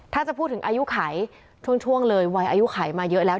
ถ้าจะพูดถึงอายุไขช่วงเลยวัยอายุไขมาเยอะแล้ว